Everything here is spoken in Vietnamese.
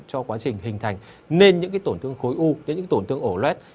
cho quá trình hình thành nên những tổn thương khối u đến những tổn thương ổ luet